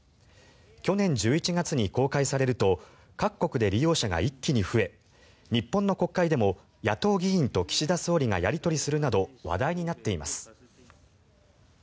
去年１１月に公開されると各国で利用者が一気に増え日本の国会でも野党議員と岸田総理がやり取りするなど話題になっています。